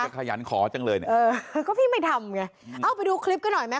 มีก็ขยันขอจังเลยเออก็พี่ไม่ทำไงเอ้าไปดูคลิปก็หน่อยมั้ย